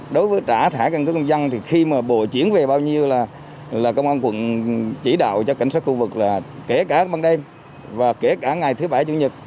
đối với trả thẻ căn cước công dân thì khi mà bộ chuyển về bao nhiêu là công an quận chỉ đạo cho cảnh sát khu vực là kể cả ban đêm và kể cả ngày thứ bảy chủ nhật